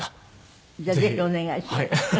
じゃあぜひお願いします。